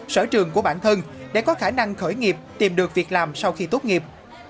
sở trường của bản thân để có khả năng khởi nghiệp tìm được việc làm sau khi tốt nghiệp